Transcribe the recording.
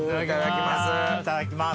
いただきます。